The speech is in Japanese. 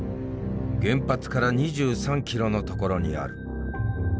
原発から２３キロの所にある。